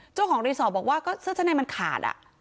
เจ้าของรีสอร์ทบอกว่าก็เสื้อชั้นในมันขาด